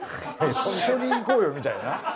一緒に行こうよみたいな？